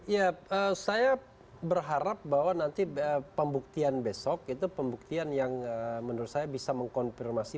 ya saya berharap bahwa nanti pembuktian besok itu pembuktian yang menurut saya bisa mengkonfirmasi